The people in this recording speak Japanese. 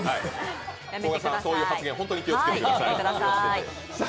こがさん、そういう発言、本当に気をつけてください。